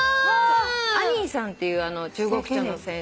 アニーさんっていう中国茶の先生で。